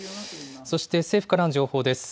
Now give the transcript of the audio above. そして政府からの情報です。